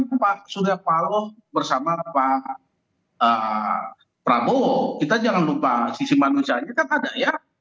tapi kalau kita lihat pak suryapalo bersama pak prabowo kita jangan lupa sisi manusia itu kan ada ya